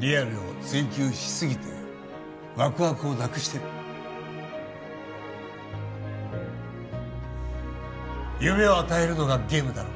リアルを追求しすぎてワクワクをなくしてる夢を与えるのがゲームだろ？